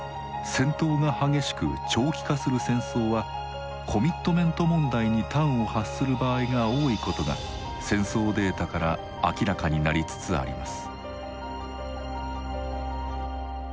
戦闘が激しく長期化する戦争はコミットメント問題に端を発する場合が多いことが戦争データから明らかになりつつあります。